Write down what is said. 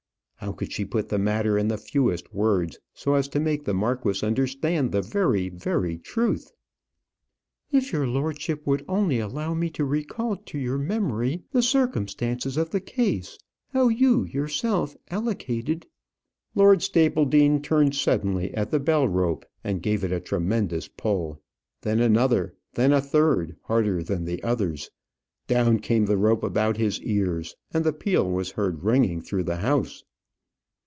How could she put the matter in the fewest words, so as to make the marquis understand the very very truth? "If your lordship would only allow me to recall to your memory the circumstances of the case, how you, yourself, allocated " Lord Stapledean turned suddenly at the bell rope, and gave it a tremendous pull then another and then a third, harder than the others. Down came the rope about his ears, and the peal was heard ringing through the house.